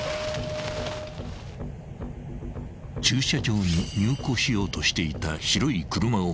［駐車場に入庫しようとしていた］